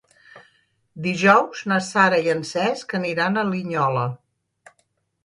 Dijous na Sara i en Cesc aniran a Linyola.